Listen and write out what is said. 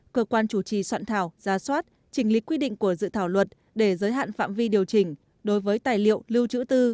cơ quan chủ trì soạn thảo ra soát chỉnh lý quy định của dự thảo luật để giới hạn phạm vi điều chỉnh đối với tài liệu lưu trữ tư